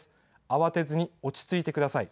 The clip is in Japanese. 慌てずに落ち着いてください。